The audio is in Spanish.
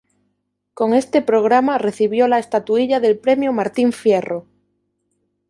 Con este programa recibió la estatuilla del premio Martín Fierro.